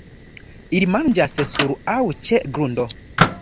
Ili manĝas sur aŭ ĉe grundo.